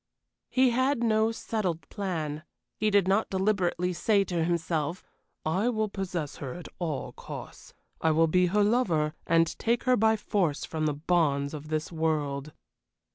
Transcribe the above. He had no settled plan. He did not deliberately say to himself: "I will possess her at all costs. I will be her lover, and take her by force from the bonds of this world."